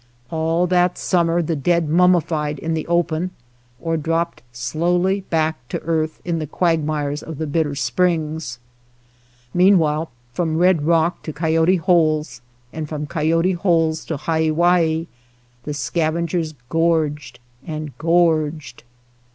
All that summer the dead mummified in the open or dropped slowly back to earth in the quagmires of the bitter springs. Meanwhile from Red Rock to Coyote Holes, and from Coyote Holes to Haiwai the scavengers gorged and gorged.